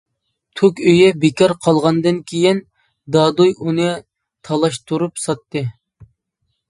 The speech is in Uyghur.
توك ئۆيى بىكار قالغاندىن كېيىن دادۈي ئۇنى تالاشتۇرۇپ ساتتى.